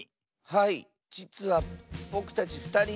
はいじつはぼくたちふたり